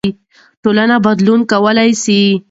ټولنه بدلون کولای سي.